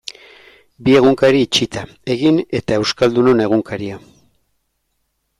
Bi egunkari itxita, Egin eta Euskaldunon Egunkaria.